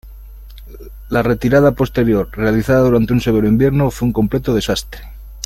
La retirada posterior, realizada durante un severo invierno, fue un completo desastre.